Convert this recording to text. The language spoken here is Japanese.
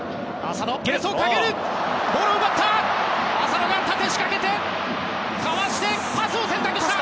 ボールを奪った浅野が仕掛けてかわして、パスを選択した！